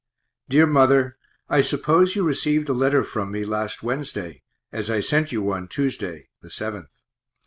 _ DEAR MOTHER I suppose you rec'd a letter from me last Wednesday, as I sent you one Tuesday (7th).